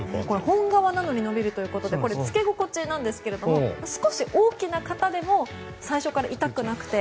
本革なのに伸びるということで着け心地ですが少し大きな方でも最初から痛くなくて。